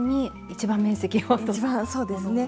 一番そうですね。